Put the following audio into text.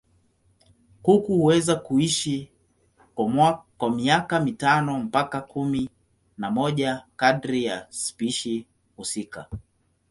Kuku huweza kuishi kwa miaka mitano mpaka kumi na moja kadiri ya spishi husika.